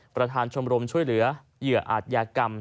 ประธานชมรมช่วยเหลือเหยื่ออาจยากรรม